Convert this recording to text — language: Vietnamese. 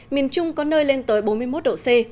miền trung có nơi lên tới bốn mươi một độ c